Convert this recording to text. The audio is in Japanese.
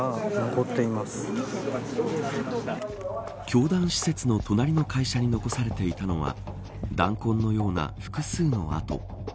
教団施設の隣の会社に残されていたのは弾痕のような複数の痕。